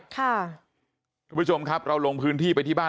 คุณผู้ชมครับเราลงพื้นที่ไปที่บ้าน